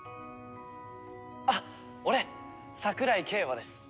あっ俺桜井景和です。